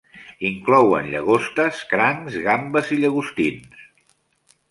Inclouen llagostes, crancs, gambes i llagostins.